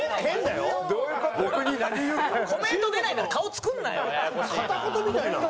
コメント出ないんだったら顔作るなよ！